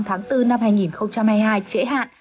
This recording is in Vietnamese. tháng bốn năm hai nghìn hai mươi hai trễ hạn